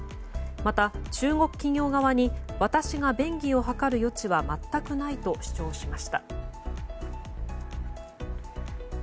また、中国企業側に私が便宜を図る余地は全くないと主張しました。